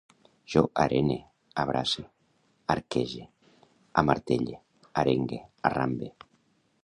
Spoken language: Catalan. Jo arene, abrace, arquege, amartelle, arengue, arrambe